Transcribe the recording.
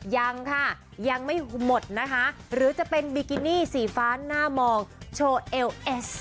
ยังค่ะยังไม่หมดนะคะหรือจะเป็นบิกินี่สีฟ้าหน้ามองโชว์เอลเอส